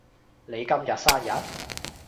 你今日生日？